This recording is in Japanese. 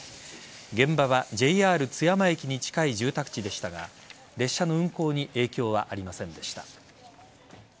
現場はＪＲ津山駅に近い住宅地でしたが列車の運行に影響はありませんでした。